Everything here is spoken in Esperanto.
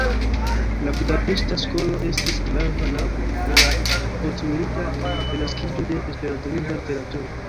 La budapeŝta skolo estis grava nabo de la postmilita renaskiĝo de esperantlingva literaturo.